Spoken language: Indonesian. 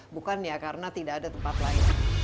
bukan ya karena tidak ada tempat lain